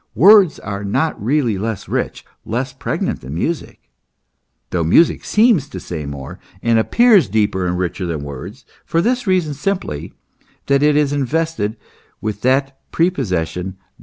Words are not really less rich, less pregnant than music, though music seems to say more, and appears deeper and richer than words, for this reason simply, that it is invested with that prepossession, that illusion.